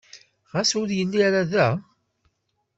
Ɣas ur yelli ara da?